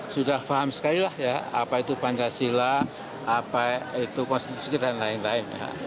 sudah paham sekali lah ya apa itu pancasila apa itu konstitusi dan lain lain